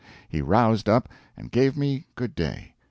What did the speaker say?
He roused up, and gave me good day.